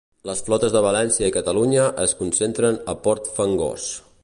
Les flotes de València i Catalunya es concentren a Port Fangós.